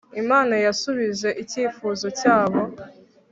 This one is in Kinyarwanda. Imana yasubije icyifuzo cyabo